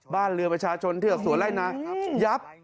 บ้านเรือประชาชนเทือกสวนไล่นายับ